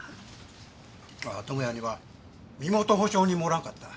友也には身元保証人もおらんかった。